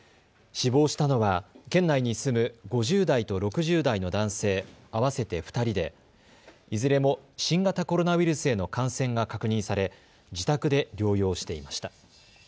死亡したのは県内に住む５０代と６０代の男性合わせて２人でいずれも新型コロナウイルスへの感染が確認され自宅で療養していました。